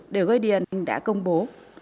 đều gây điện đã công bố